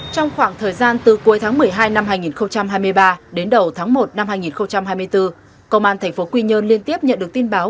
trong khoảng thời gian từ cuối tháng một mươi hai năm hai nghìn hai mươi ba đến đầu tháng một năm hai nghìn hai mươi bốn công an tp quy nhơn liên tiếp nhận được tin báo